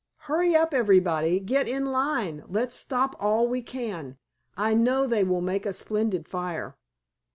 Hurry up everybody, get in line, let's stop all we can. I know they will make a splendid fire."